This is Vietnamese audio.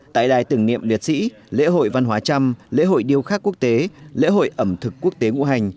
tại đài tưởng niệm liệt sĩ lễ hội văn hóa trăm lễ hội điêu khắc quốc tế lễ hội ẩm thực quốc tế ngũ hành